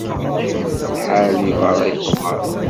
Lḥal di berra yeqbeṛ.